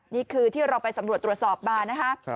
นี่คือที่เราไปสำรวจตรวจสอบมานะคะ